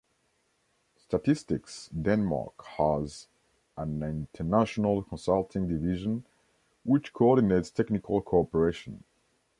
Statistics Denmark has an International Consulting division, which co-ordinates technical co-operation.